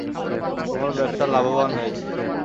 তোমার ব্যবসা লাভবান হয়েছে।